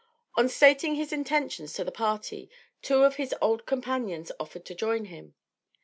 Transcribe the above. On stating his intentions to the party, two of his old companions offered to join him.